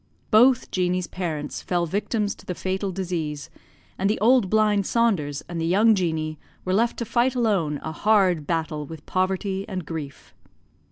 Both Jeanie's parents fell victims to the fatal disease, and the old blind Saunders and the young Jeanie were left to fight alone a hard battle with poverty and grief.